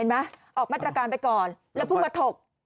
เห็นไหมออกมาตรการไปก่อนแล้วพูดมาถก